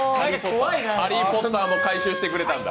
「ハリー・ポッター」も回収してくれたんだ。